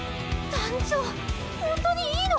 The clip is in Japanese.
団長ほんとにいいの？